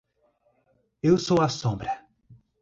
Eu sou a sombra.